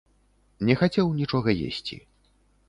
Не хацеў нічога есці.